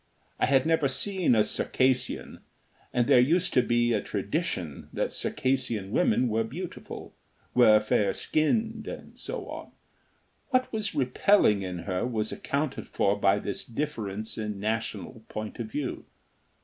I had never seen a Circassian, and there used to be a tradition that Circassian women were beautiful, were fair skinned, and so on. What was repelling in her was accounted for by this difference in national point of view.